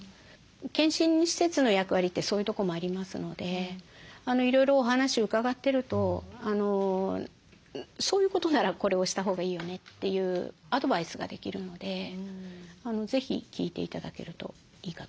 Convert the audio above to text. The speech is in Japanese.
健診施設の役割ってそういうとこもありますのでいろいろお話伺ってるとそういうことならこれをしたほうがいいよねというアドバイスができるので是非聞いて頂けるといいかと思います。